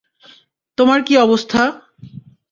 তোমার কী অবস্থা?